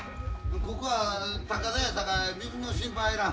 ここは高台やさかい水の心配はいらん。